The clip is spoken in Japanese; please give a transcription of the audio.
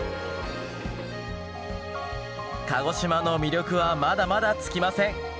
鹿児島の魅力はまだまだ尽きません。